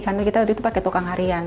karena kita waktu itu pake tukang harian